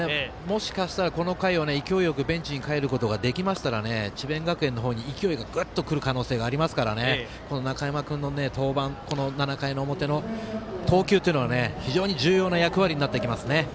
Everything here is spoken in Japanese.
もしかしたら、この回ベンチにすっと帰れれば智弁学園の方に勢いがグッとくる可能性がありますから中山君の登板７回の表の投球というのは非常に重要な役割になってきます。